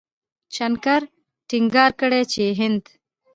شنکر ټينګار کړی چې هند